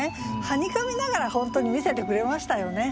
はにかみながら本当に見せてくれましたよね。